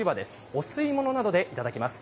お吸い物などでいただきます。